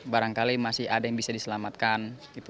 barangkali masih ada yang bisa diselamatkan